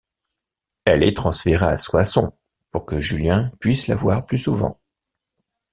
Elle est transférée à Soissons, pour que Julien puisse la voir plus souvent.